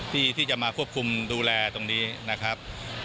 ที่จะมาควบคุมดูแลตรงนี้นะครับ